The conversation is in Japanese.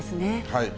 はい。